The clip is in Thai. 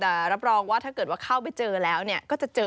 แต่รับรองว่าถ้าเกิดว่าเข้าไปเจอแล้วก็จะเจอ